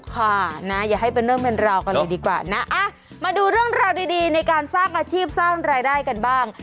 ค่ะนะอย่าให้เป็นเรื่องเป็นราวกันเลยดีกว่านะมาดูเรื่องราวดีในการสร้างอาชีพสร้างรายได้กันบ้าง